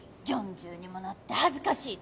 ４０にもなって恥ずかしい！